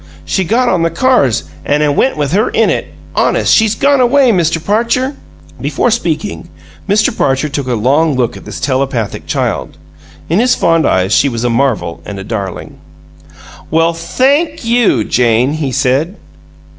She got on the cars, an' it went with her in it. Honest, she's gone away, Mr. Parcher." Before speaking, Mr. Parcher took a long look at this telepathic child. In his fond eyes she was a marvel and a darling. "Well THANK you, Jane!" he said.